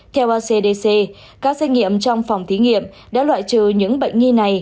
theo ecdc các xét nghiệm trong phòng thí nghiệm đã loại trừ những bệnh nghi này